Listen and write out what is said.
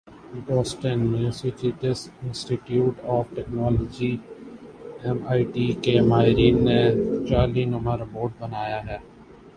Boston Massachusetts institute of technology M I T کے ماہرین نے jelly نما روبوٹ بنایا ہے